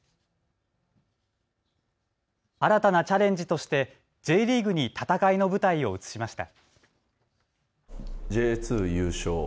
新たなチャレンジとしてＪリーグに戦いの舞台を移しました。